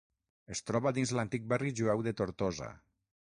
Es troba dins l'antic barri jueu de Tortosa.